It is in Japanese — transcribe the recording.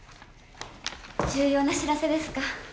重要な知らせですか？